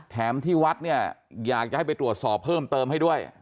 ที่วัดเนี่ยอยากจะให้ไปตรวจสอบเพิ่มเติมให้ด้วย